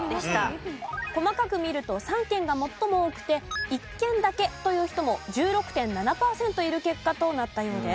細かく見ると３件が最も多くて１件だけという人も１６．７パーセントいる結果となったようです。